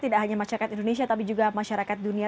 tidak hanya masyarakat indonesia tapi juga masyarakat dunia